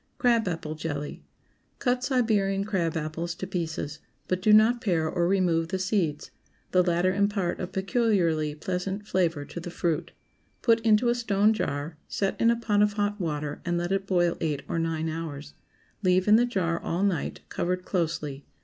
CRAB APPLE JELLY. ✠ Cut Siberian crab apples to pieces, but do not pare or remove the seeds. The latter impart a peculiarly pleasant flavor to the fruit. Put into a stone jar, set in a pot of hot water, and let it boil eight or nine hours. Leave in the jar all night, covered closely.